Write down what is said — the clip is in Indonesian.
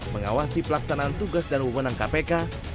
mengawasi pelaksanaan tugas dan wewenang kpk